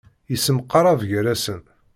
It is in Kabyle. Yessemqarab gar-asen.